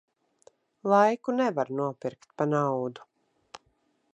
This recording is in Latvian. Laiku nevar nopirkt pa naudu.